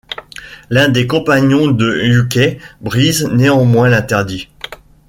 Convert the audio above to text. L'un des compagnons de Yûkei brise néanmoins l'interdit.